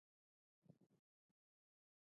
که یو ځانګړی دوکتورین د مبنا په توګه وټاکل شي.